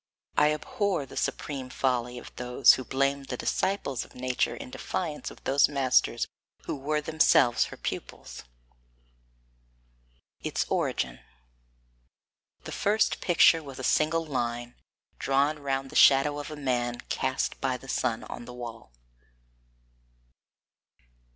I abhor the supreme folly of those who blame the disciples of nature in defiance of those masters who were themselves her pupils. [Sidenote: Its Origin] 2. The first picture was a single line, drawn round the shadow of a man cast by the sun on the wall.